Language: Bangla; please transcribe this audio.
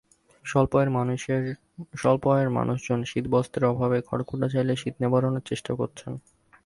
স্বল্প আয়ের মানুষজন শীতবস্ত্রের অভাবে খড়কুটা জ্বালিয়ে শীত নিবারণের চেষ্টা করছেন।